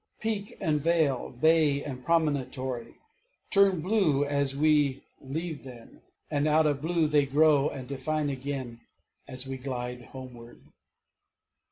Peak and vale, bay and promontory, turn blue as we leave them; and out of blue they grow and define again as we glide homeward.